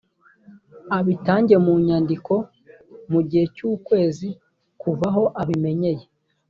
abitange mu nyandiko mu gihe cy’ukwezi kuva aho abimenyeye